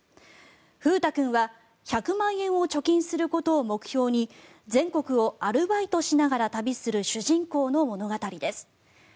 「フータくん」は１００万円を貯金することを目標に全国をアルバイトしながら旅する主人公の物語です。